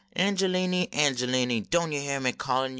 Angeliny I Angeliny ! Doan yo hyar me callin yo